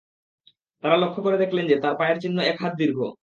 তাঁরা লক্ষ্য করে দেখলেন যে, তাঁর পায়ের চিহ্ন এক হাত দীর্ঘ।